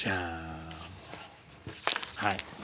はい。